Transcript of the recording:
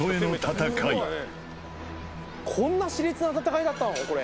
こんな熾烈な戦いだったのかこれ。